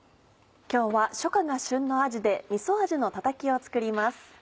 今日は初夏が旬のあじでみそ味のたたきを作ります。